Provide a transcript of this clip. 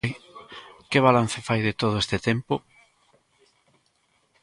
Que balance fai de todo este tempo?